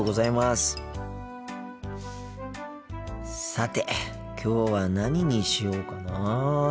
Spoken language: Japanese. さてきょうは何にしようかな。